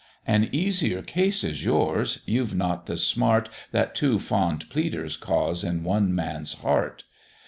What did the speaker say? An easier case is yours: you've not the smart That two fond pleaders cause in one man's heart.